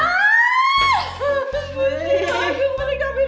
gila aduh beli beli beli